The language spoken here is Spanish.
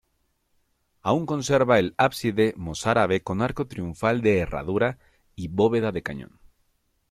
Aun conserva el ábside mozárabe con arco triunfal de herradura y bóveda de cañón.